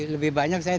lebih banyak saya